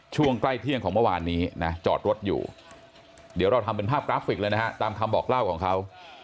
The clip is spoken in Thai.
ช่วงใกล้เที่ยงของเมื่อวานนี้นะจอดรถอยู่เดี๋ยวเราทำเป็นภาพกราฟิกเลยนะฮะตามคำบอกเล่าของเขา